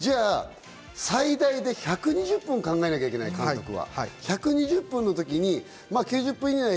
最大で１２０分を考えなきゃいけない、監督は。